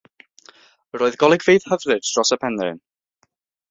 Roedd golygfeydd hyfryd dros y penrhyn.